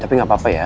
tapi gak apa apa ya